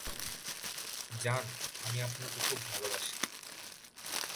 যান, আমি আপনাকে খুব ভালোবাসি।